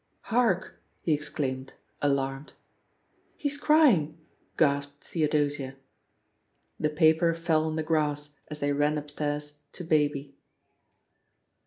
!arkl'' he exclaimed, alarmed. 'He's crying I" gasped Theodosia. The paper fell on the grass as thejr ran up stairs to Baby.